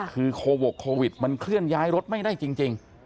คือโควิดมันเคลื่อนย้ายรถไม่ได้จริง